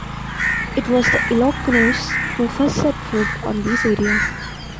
It was the Ilocanos who first set foot on these areas.